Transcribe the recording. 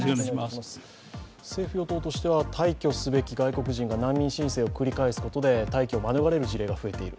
政府・与党としては退去すべき外国人が難民申請を繰り返すことで退去を免れる事例が増えている。